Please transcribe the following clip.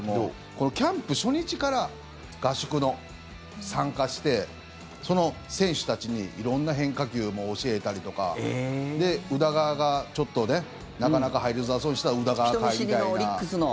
このキャンプ初日から合宿に参加して選手たちに色んな変化球も教えたりとかで、宇田川がちょっとねなかなか入りづらそうにしてたら人見知りのオリックスの。